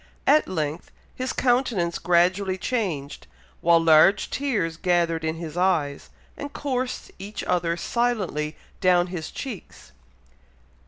At length his countenance gradually changed, while large tears gathered in his eyes, and coursed each other silently down his cheeks.